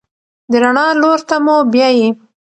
د رڼا لور ته مو بیايي.